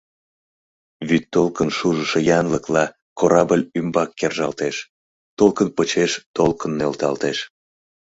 Вӱдтолкын шужышо янлыкла корабль ӱмбак кержалтеш, толкын почеш толкын нӧлталтеш.